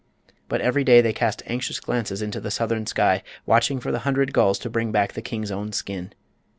But every day they cast anxious glances into the southern sky, watching for the hundred gulls to bring back the king's own skin.